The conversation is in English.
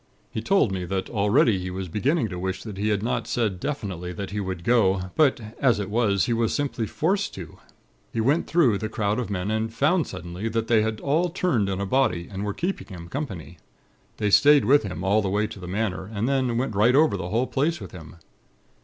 He told me that, already, he was beginning to wish that he had not said definitely that he would go; but, as it was, he was simply forced to. He went through the crowd of men, and found suddenly that they had all turned in a body and were keeping him company. They stayed with him all the way to the Manor, and then went right over the whole place with him.